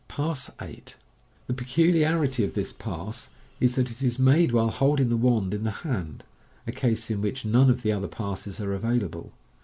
Pass 8. — The peculiarity of this pass is, that it is made while holding the wand in the hand, a case in which none of the other passes are available.